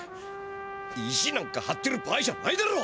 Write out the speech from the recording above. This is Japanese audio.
意地なんかはってる場合じゃないだろ！